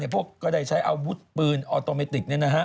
พวกก็ได้ใช้อาวุธปืนออโตเมติก